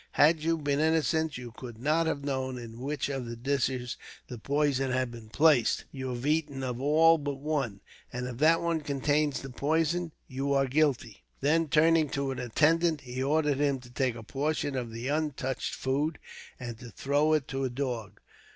Had you been innocent, you could not have known in which of the dishes the poison had been placed. You have eaten of all but one. If that one contains poison, you are guilty." Then, turning to an attendant, he ordered him to take a portion of the untouched food, and to throw it to a dog.